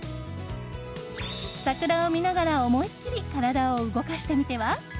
桜を見ながら思いっきり体を動かしてみては？